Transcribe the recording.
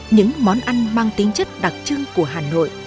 những món ăn mang tính chất đặc trưng của hà nội